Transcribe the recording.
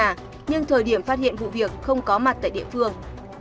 nhưng thời điểm phát hiện vụ việc không có mặt tại địa phương